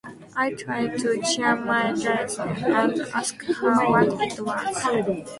I tried to cheer my darling, and asked her what it was.